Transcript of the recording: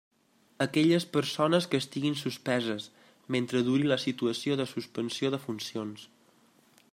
Aquelles persones que estiguin suspeses, mentre duri la situació de suspensió de funcions.